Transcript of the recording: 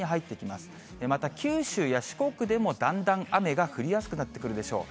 また九州や四国でもだんだん雨が降りやすくなってくるでしょう。